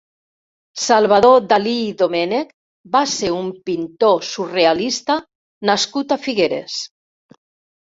Salvador Dalí i Domènech va ser un pintor surrealista nascut a Figueres.